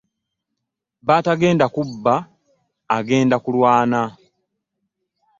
Batagenda kubba agenda kulwan .